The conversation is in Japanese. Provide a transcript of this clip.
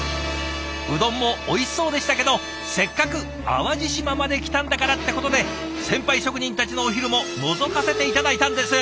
うどんもおいしそうでしたけどせっかく淡路島まで来たんだからってことで先輩職人たちのお昼ものぞかせて頂いたんです。